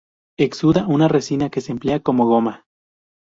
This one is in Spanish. Exuda una resina que se emplea como goma.